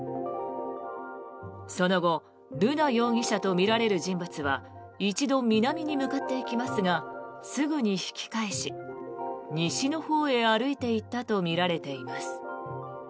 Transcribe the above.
その後瑠奈容疑者とみられる人物は一度、南に向かっていきますがすぐに引き返し西のほうへ歩いていったとみられています。